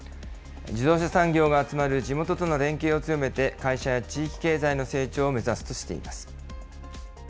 自動車産業が集まる地元との連携を強めて、会社や地域経済の成長を目指すとしています。